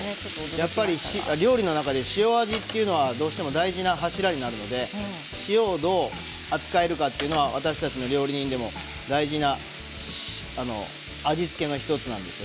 やっぱり料理の中で塩味はどうしても大事な柱になるので塩をどう扱えるかというのは私たち料理人でも大事な味付けの１つです。